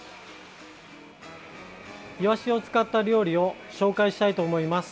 イワシを使った料理を紹介したいと思います。